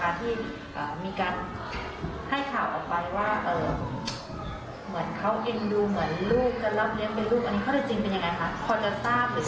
อันนี้เขาจะจริงเป็นอย่างไรคะเขาจะทราบเลย